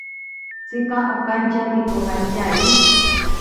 Tsika okantya pipokantyari.